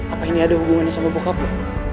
apa ini ada hubungannya sama bokap nggak